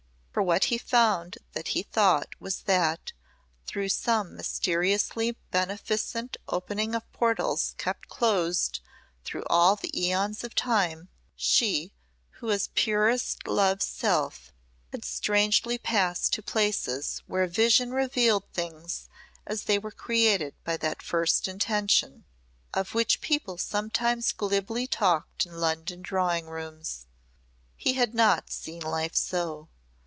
For what he found that he thought was that, through some mysteriously beneficent opening of portals kept closed through all the eons of time, she who was purest love's self had strangely passed to places where vision revealed things as they were created by that First Intention of which people sometimes glibly talked in London drawing rooms. He had not seen life so.